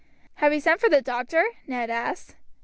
"Have you sent for the doctor?" Ned asked.